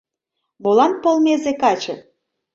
Молан полмезе каче